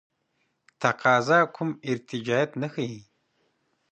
تقاضا کوم ارتجاعیت نه ښیي.